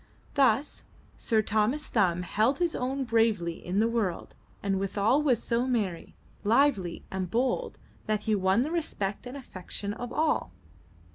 Thus Sir Thomas Thumb held his own bravely in the world and withal was so merry, lively and bold, that he won the respect and affection of all.